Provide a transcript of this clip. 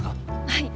はい。